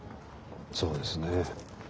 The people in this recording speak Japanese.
そうですね。